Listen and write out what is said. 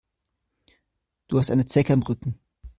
Du hast eine Zecke am Rücken.